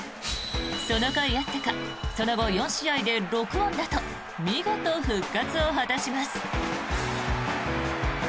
そのかいあってかその後４試合で６安打と見事、復活を果たします。